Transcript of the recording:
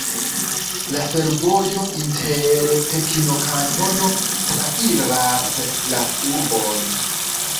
La fervojo inter Pekino-Kantono trairas la urbon.